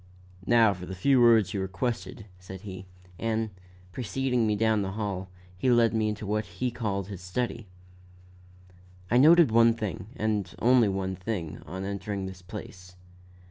"Now for the few words you requested," said he; and, preceding me down the hall, he led me into what he called his study. I noted one thing, and only one thing, on entering this place.